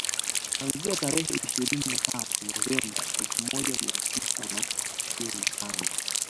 Kuanzia tarehe ishirini na tatu Novemba elfu moja Mia tisa na tisini na tano